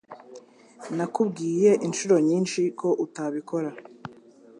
Nakubwiye inshuro nyinshi ko utabikora.